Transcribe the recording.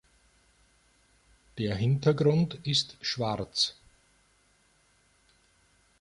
Der Hintergrund ist schwarz.